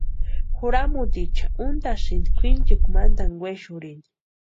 Juramutiicha úntʼasïnti kwʼinchikwa mantani wexurhini.